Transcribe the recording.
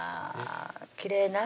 きれいな